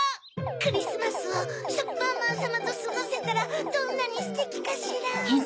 クリスマスをしょくぱんまんさまとすごせたらどんなにステキかしら。